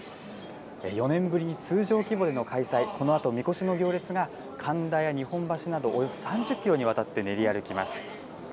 ４年ぶりの通常規模での開催、このあと、みこしの行列が、神田や日本橋など、およそ３０キロにわたって練り歩きます。